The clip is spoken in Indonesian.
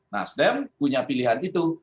nasden punya pilihan itu